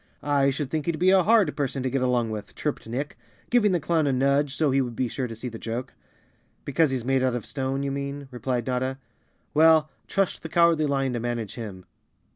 "I should think he'd be a hard person to get along with," chirped Nick, giving the clown a nudge so he would be sure to see the joke. "Because he's made of stone, you mean?" replied Notta. "Well, trust the Cowardly Lion to manage him.